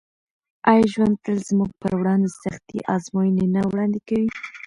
آیا ژوند تل زموږ پر وړاندې سختې ازموینې نه وړاندې کوي؟